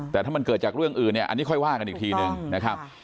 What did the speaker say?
แต่ถ้ามันเกิดจากเรื่องอื่นเนี่ยอันนี้ค่อยว่ากันอีกทีหนึ่งนะครับ